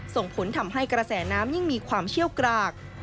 ส่งผลทำให้กระแสน้ำยิ่งมีความเชี่ยวกราก